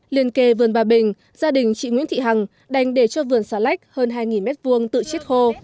liên kề vườn bà bình gia đình chị nguyễn thị hằng đành để cho vườn xà lách hơn hai m hai tự chết khô